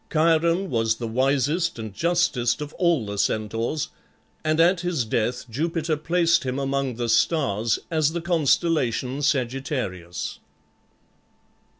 Chiron was the wisest and justest of all the Centaurs, and at his death Jupiter placed him among the stars as the constellation Sagittarius.